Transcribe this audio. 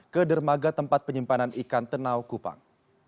ke dermaga tempat penyimpanan ikan tenau kupang